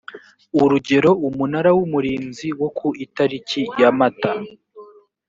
urugero umunara w umurinzi wo ku itariki ya mata